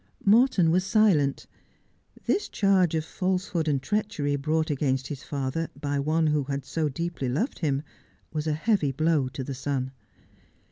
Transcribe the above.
Morton was silent. This charge of falsehood and treachery brought against his father by one who had so deeply loved him was a heavy blow to the son.